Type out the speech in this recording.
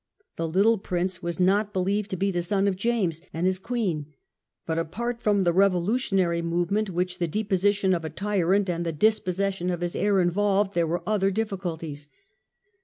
The little Prince was not believed to be the son of James and his Queen; but, apart from the revolutionary movement which the de position of a tyrant and the dispossession of his heir William's involved, there were other difficulties.